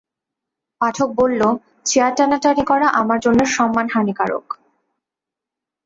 পাঠক বলল, চেয়ার টানাটানি করা আমার জন্যে সম্মান হানিকর।